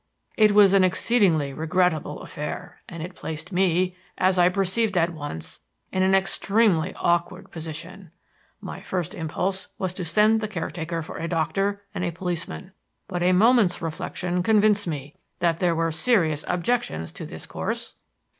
"It was an exceedingly regrettable affair, and it placed me, as I perceived at once, in an extremely awkward position. My first impulse was to send the caretaker for a doctor and a policeman; but a moment's reflection convinced me that there were serious objections to this course.